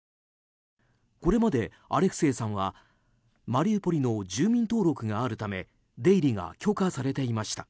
これまでアレクセイさんはマリウポリの住民登録があるため出入りが許可されていました。